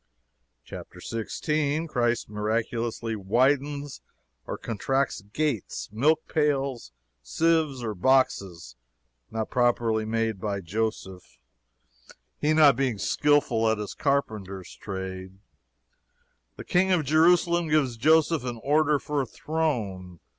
"Chapter 16. Christ miraculously widens or contracts gates, milk pails, sieves or boxes, not properly made by Joseph, he not being skillful at his carpenter's trade. The King of Jerusalem gives Joseph an order for a throne.